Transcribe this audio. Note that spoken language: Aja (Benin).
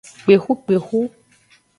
Kpexukpexu.